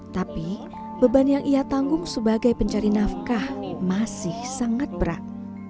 tapi beban yang ia tanggung sebagai pencari nafkah masih sangat berat